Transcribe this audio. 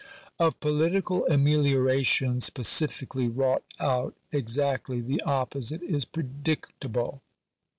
Of political ameliorations pacifically wrought out, exactly the opposite is predicable.